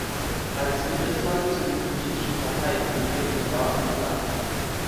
Als Mittelsmann zu den politischen Parteien fungierte Martin Blank.